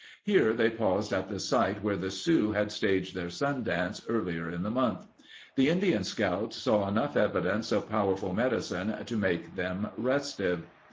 Here they paused at the site where the Sioux had staged their sun dance earlier in the month. The Indian scouts saw enough evidence of powerful medicine to make them restive.